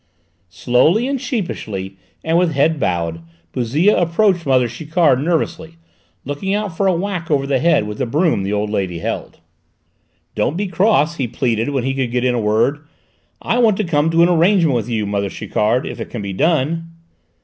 Slowly and sheepishly and with head bowed, Bouzille approached mother Chiquard, nervously looking out for a whack over the head with the broom the old lady held. "Don't be cross," he pleaded when he could get in a word; "I want to come to an arrangement with you, mother Chiquard, if it can be done."